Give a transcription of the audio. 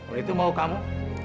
oleh itu mau kamu